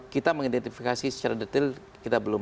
kita mengidentifikasi secara detail kita belum